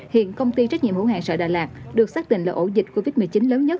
hiện công ty trách nhiệm hữu hàng sợ đà lạt được xác định là ổ dịch covid một mươi chín lớn nhất